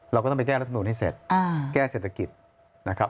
เราก็ต้องไปแก้รัฐมนุนให้เสร็จแก้เศรษฐกิจนะครับ